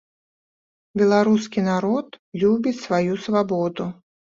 Беларускі народ любіць сваю свабоду.